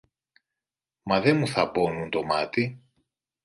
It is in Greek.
Μα δε μου θαμπώνουν το μάτι.